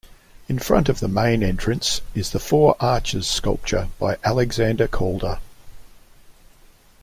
In front of the main entrance is the "Four Arches" sculpture by Alexander Calder.